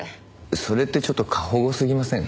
それってちょっと過保護すぎません？